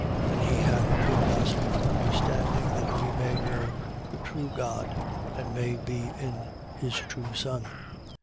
And he hath given us understanding that we may know the true God and may be in his true Son.